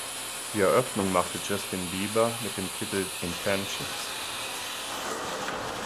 Die Eröffnung machte Justin Bieber mit dem Titel "Intentions".